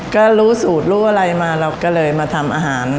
ก็รู้สูตรรู้อะไรมาเราก็เลยมาทำอาหาร